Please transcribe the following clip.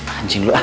anjing lu ah